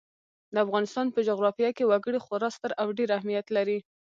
د افغانستان په جغرافیه کې وګړي خورا ستر او ډېر اهمیت لري.